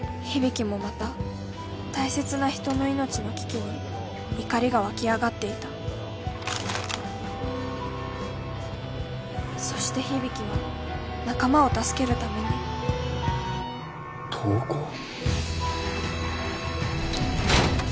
響もまた大切な人の命の危機に怒りが湧き上がっていたそして響は仲間を助けるために投降？